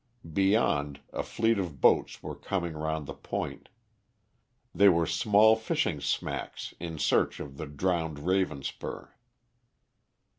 Beyond, a fleet of boats were coming round the point. They were small fishing smacks in search of the drowned Ravenspur.